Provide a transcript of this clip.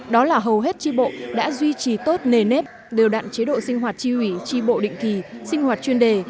đó là hầu hết tri bộ đã duy trì tốt nề nếp đều đặn chế độ sinh hoạt tri ủy tri bộ định kỳ sinh hoạt chuyên đề